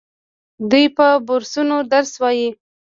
دوی په بورسونو درس وايي.